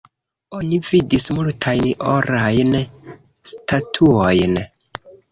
Oni vidis multajn orajn statuojn.